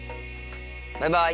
バイバイ。